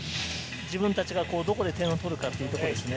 自分たちがどこで点を取るかということですね。